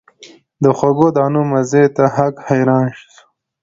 د خوږو دانو مزې ته هک حیران سو